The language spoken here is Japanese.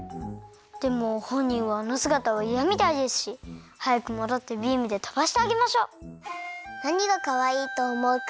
でもほんにんはあのすがたはいやみたいですしはやくもどってビームでとばしてあげましょう。